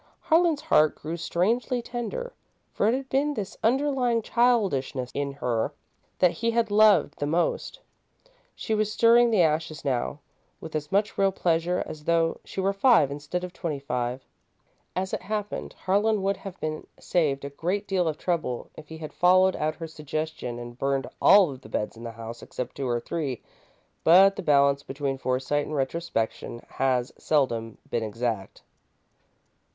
Harlan's heart grew strangely tender, for it had been this underlying childishness in her that he had loved the most. She was stirring the ashes now, with as much real pleasure as though she were five instead of twenty five. As it happened, Harlan would have been saved a great deal of trouble if he had followed out her suggestion and burned all of the beds in the house except two or three, but the balance between foresight and retrospection has seldom been exact.